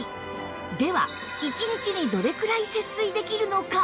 では１日にどれくらい節水できるのか？